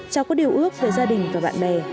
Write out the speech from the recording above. cháu có điều ước về gia đình và bạn bè